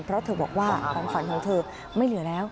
เพราะเธอบอกว่าของขวัญของเธอไม่เหลือแล้ว